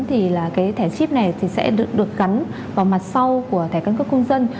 thì là cái thẻ chip này thì sẽ được gắn vào mặt sau của thẻ căn cước công dân